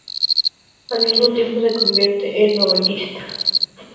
Al mismo tiempo, se convierte en novelista.